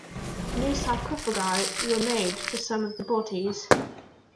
New sarcophagi were made for some of the bodies.